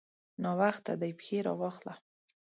ناوخته دی؛ پښې راواخله.